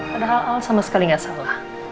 padahal al sama sekali tidak salah